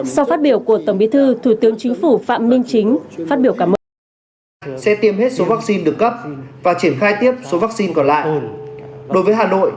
sau phát biểu của tổng bí thư thủ tướng chính phủ phạm minh chính phát biểu cảm ơn